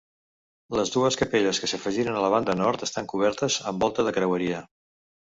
Les dues capelles que s'afegiren a la banda nord estan cobertes amb volta de creueria.